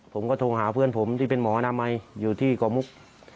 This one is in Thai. ผมก็โทรหาเพื่อนผมที่เป็นหมออนามัยอยู่ที่เกาะมุก